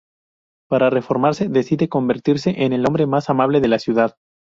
Para reformarse, decide convertirse en el hombre más amable de la ciudad.